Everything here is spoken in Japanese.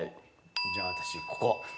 じゃあ私ここ。